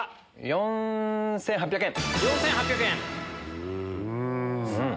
４８００円。